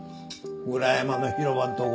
裏山の広場んとこ。